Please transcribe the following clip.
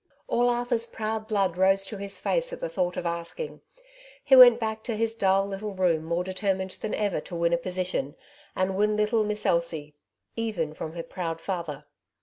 All Arthur's proud blood rose to his face £^t the thought of asking. He went back to his dull little room more determined than ever to win a position, and win little Miss Elsie, even from her proud father